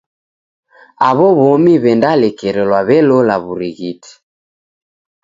Aw'o w'omi w'endalekerelwa w'elola w'urighiti.